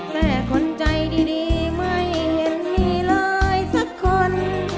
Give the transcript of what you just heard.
แต่คนใจดีไม่เห็นมีเลยสักคน